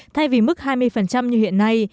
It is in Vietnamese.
thay vì mức hai mươi như hiện nay